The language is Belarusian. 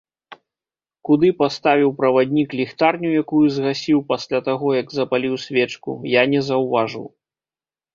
Куды паставіў праваднік ліхтарню, якую згасіў пасля таго, як запаліў свечку, я не заўважыў.